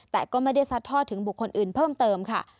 แต่ก็ไม่ได้ซัดทอดถึงบุคคลอื่นเพิ่มเติมค่ะ